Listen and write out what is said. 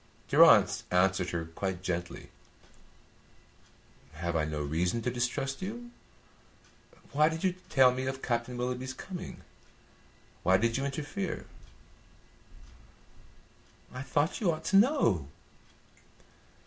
Durrance answered her quite gently: "Have I no reason to distrust you? Why did you tell me of Captain Willoughby's coming? Why did you interfere?" "I thought you ought to know."